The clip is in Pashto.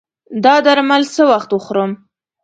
دا درمل څه وخت وخورم؟